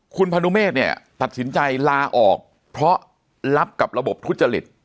คุณพนุเมฆเนี่ยตัดสินใจลาออกเพราะรับกับระบบทุจริต